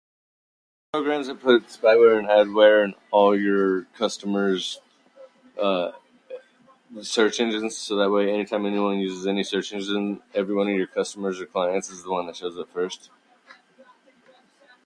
Is there a group dedicated to recreating old paintings?